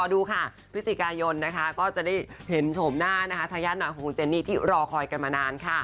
อยู่ไปก็มันน่าเขียน